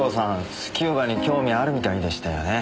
スキューバに興味あるみたいでしたよね？